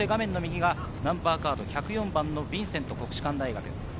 ナンバーカード１０４番のヴィンセント、国士館大学。